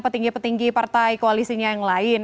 petinggi petinggi partai koalisinya yang lain